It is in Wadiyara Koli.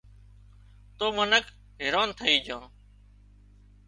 تو منک حيران ٿئي جھان